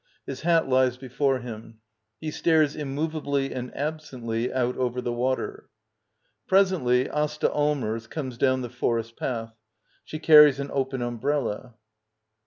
His hat lies before him. He stares immovably and absently out over the water. Presently Asta Allmers comes down the forest path. She carries an open umbrella.